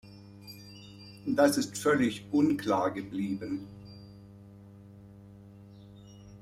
Das ist völlig unklar geblieben.